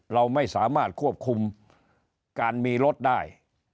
เราไม่สามารถควบคุมการมีรถได้